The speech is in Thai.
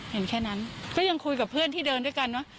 เห็นแค่นั้นก็ยังคุยกับเพื่อนที่เดินด้วยกันเนอะ